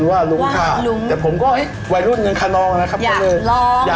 แล้วก็เลยค้าขายดีมาตลอดเลย